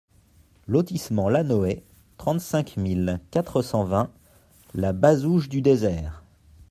Lotissement La Noë, trente-cinq mille quatre cent vingt La Bazouge-du-Désert